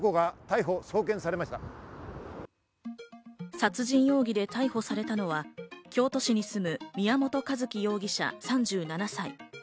殺人容疑で逮捕されたのは京都市に住む宮本一希容疑者、３７歳。